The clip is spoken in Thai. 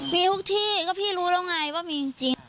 มีทุกที่ก็พี่รู้แล้วไงว่ามีจริง